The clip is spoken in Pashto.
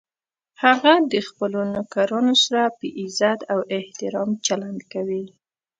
هغه د خپلو نوکرانو سره په عزت او احترام چلند کوي